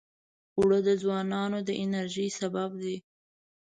اوړه د ځوانانو د انرژۍ سبب دي